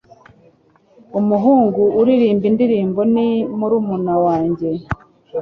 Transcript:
Umuhungu uririmba indirimbo ni murumuna wanjye.